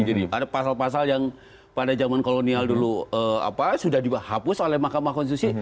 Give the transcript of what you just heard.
jadi ada pasal pasal yang pada zaman kolonial dulu sudah dihapus oleh mahkamah konstitusi